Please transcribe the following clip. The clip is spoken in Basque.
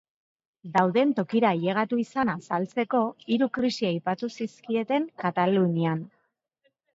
Dauden tokira ailegatu izana azaltzeko, hiru krisi aipatu zizkieten Katalunian.